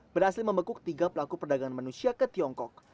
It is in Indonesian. berhasil membekuk tiga pelaku perdagangan manusia ke tiongkok